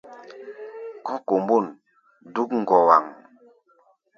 Kɔ́ kombôn dúk ŋɔwaŋ.